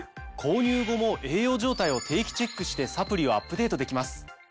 購入後も栄養状態を定期チェックしてサプリをアップデートできます。